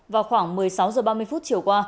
vào khoảng một mươi sáu h ba mươi chiều qua